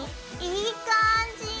いい感じ！